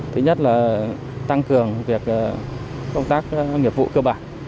thứ nhất là tăng cường việc công tác nghiệp vụ cơ bản